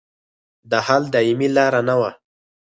د حل دایمي لار نه وه.